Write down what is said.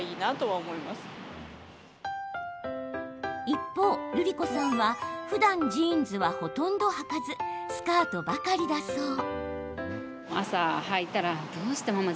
一方、るりこさんは、ふだんジーンズは、ほとんどはかずスカートばかりだそう。